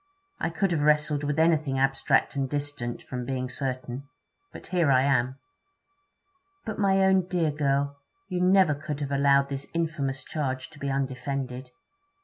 I could have wrestled with anything abstract and distant, from being certain. But here I am.' 'But, my own dear girl, you never could have allowed this infamous charge to be undefended?'